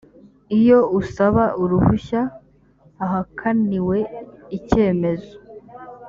iyo usaba uruhushya ahakaniwe icyemezo